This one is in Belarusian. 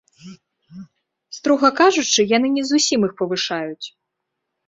Строга кажучы, яны не зусім іх павышаюць.